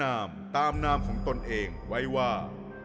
ตามนามของตนเองไว้ว่า